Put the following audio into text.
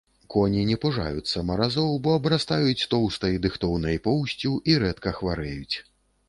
Коні не пужаюцца маразоў, бо абрастаюць тоўстай, дыхтоўнай поўсцю, і рэдка хварэюць.